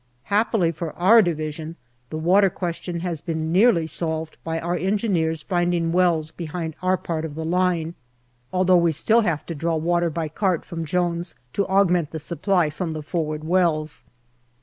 Happily, for our Division the water question has been nearly solved by our Engineers finding wells behind our part of the line, although we still have to draw water by cart from Jones to augment the supply from the forward wells.